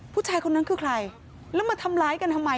ผู้ชายคนนั้นคือใครแล้วมาทำร้ายกันทำไม